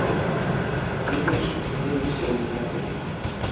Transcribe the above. Вельмі ж дзень сёння на рыбу.